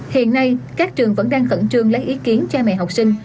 hiện nay các trường vẫn đang khẩn trương lấy ý kiến cha mẹ học sinh